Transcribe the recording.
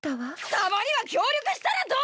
たまには協力したらどうでぇ！